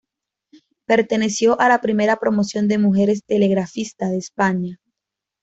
Perteneció a la primera promoción de mujeres telegrafista de España.